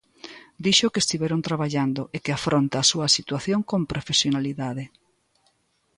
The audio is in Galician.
Dixo que estiveron traballando e que afronta a súa situación con profesionalidade.